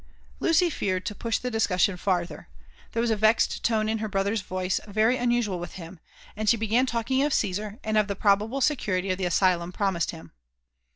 Lucy feared to push the discussion farther ; there was a vexed tone in her brother's voice very unusual with him, and she began talking of Caesar, and of the probable security of the asylum promised him.